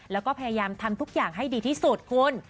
แล้วก็พยายามทำทุกอย่างให้ดีที่สุดคุณ